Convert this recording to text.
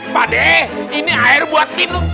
pade ini air buat minum